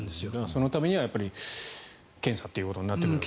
そのためには検査ということになってくると。